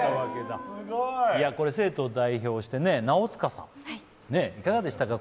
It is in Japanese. これ生徒を代表して、直塚さん、いかがでした？